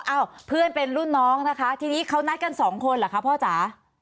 เอ้าเพื่อนเป็นรุ่นน้องนะคะทีนี้เขานัดกันสองคนเหรอคะพ่อจ๋า